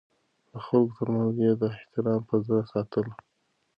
د خلکو ترمنځ يې د احترام فضا ساتله.